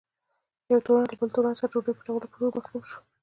یو تورن له بل تورن څخه د ډوډۍ پټولو په تور محکوم شو.